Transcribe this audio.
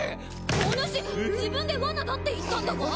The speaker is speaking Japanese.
おぬし自分で罠だって言ったんだが！？